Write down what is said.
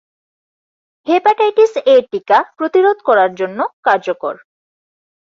Hepatitis A টিকা প্রতিরোধ করার জন্য কার্যকর।